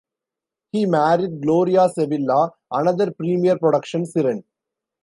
He married Gloria Sevilla, another Premiere Production siren.